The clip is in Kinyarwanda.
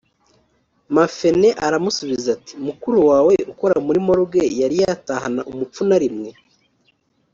” Mafene aramusubiza ati “Mukuru wawe ukora muri ’morgue’ yari yatahana umupfu na rimwe